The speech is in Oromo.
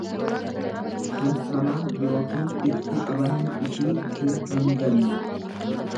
tan hamaan yookiin itti qabanni ishii hinhanganne.